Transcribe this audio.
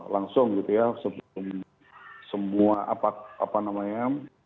langsung gitu ya sebelum semua apa namanya